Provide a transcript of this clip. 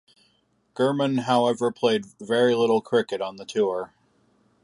Germon however played very little cricket on the tour.